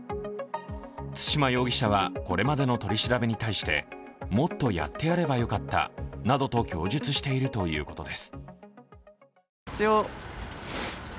対馬容疑者はこれまでの取り調べに対してもっとやってやればよかったなどと供述しているということです。